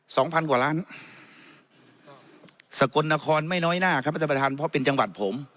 สองพันกว่าล้านสกลนครไม่น้อยหน้าครับท่านประธานเพราะเป็นจังหวัดผม